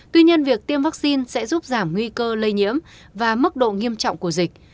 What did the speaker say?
tuy nhiên việc tiêm vaccine sẽ giúp giảm nguy cơ lây nhiễm và mức độ nghiêm trọng của dịch